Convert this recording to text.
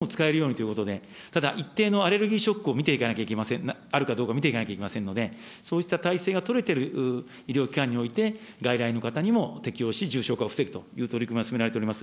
それから抗体カクテル薬につきましては、先ほどもありましたけれども、外来でも使えるようにということで、ただ一定のアレルギーショックを見ていかなきゃいけません、あるかどうか見ていかなきゃいけませんので、そうした体制が取れている医療機関において、外来の方にも適用し、重症化を防ぐという取り組みが進められております。